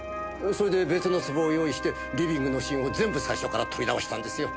それで別の壺を用意してリビングのシーンを全部最初から撮り直したんですよ。